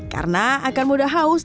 karena akan mudah haus